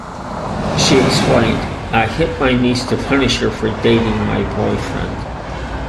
She explained, I hit my niece to punish her for dating my boyfriend.